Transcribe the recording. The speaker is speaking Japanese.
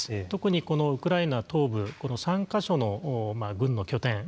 特にこのウクライナ東部この３か所の軍の拠点。